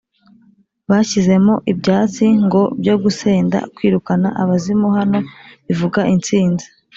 bashyizemo ibyatsi ngo byo gusenda (kwirukana) abazimu hano bivuga intsinzi